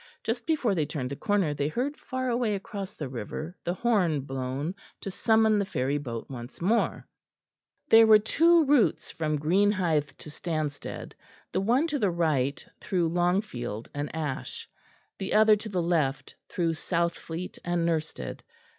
Just before they turned the corner they heard far away across the river the horn blown to summon the ferry boat once more. There were two routes from Greenhithe to Stanstead, the one to the right through Longfield and Ash, the other to the left through Southfleet and Nursted.